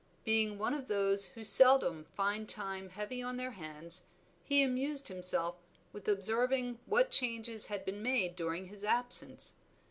Being one of those who seldom find time heavy on their hands, he amused himself with observing what changes had been made during his absence.